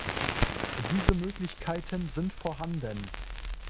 Diese Möglichkeiten sind vorhanden.